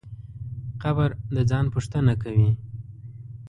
قبر د ځان پوښتنه کوي.